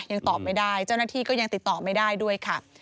ยังตอบไม่ได้เจ้าหน้าที่ก็ยังติดต่อไม่ได้ด้วยค่ะ